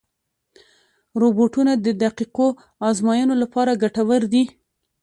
روبوټونه د دقیقو ازموینو لپاره ګټور دي.